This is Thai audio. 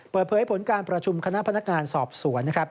เปิดเผยผลการประชุมคณะพนักงานสอบสวนนะครับ